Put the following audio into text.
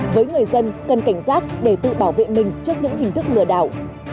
với người dân cần cảnh giác để tự bảo vệ mình trước những hình thức lừa đảo